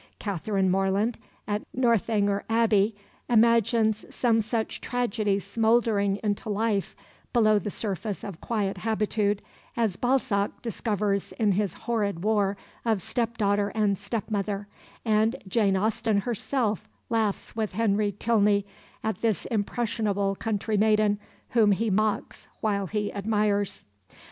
Catherine Morland, at Northanger Abbey, imagines some such tragedy smouldering into life below the surface of quiet habitude as Balzac discovers in his horrid war of step daughter and step mother, and Jane Austen herself laughs with Henry Tilney at this impressionable country maiden whom he mocks while he admires.